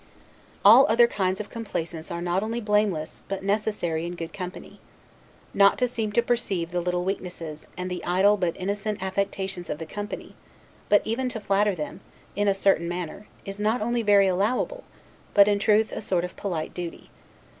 All other kinds of complaisance are not only blameless, but necessary in good company. Not to seem to perceive the little weaknesses, and the idle but innocent affectations of the company, but even to flatter them, in a certain manner, is not only very allowable, but, in truth, a sort of polite duty.